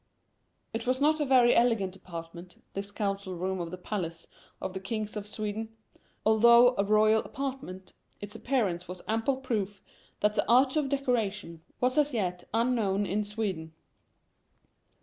It was not a very elegant apartment, this council room of the palace of the kings of Sweden. Although a royal apartment, its appearance was ample proof that the art of decoration was as yet unknown in Sweden.